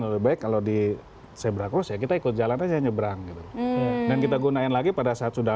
lebih baik kalau di sebrak rusia kita ikut jalan aja nyebrang dan kita gunain lagi pada saat sudah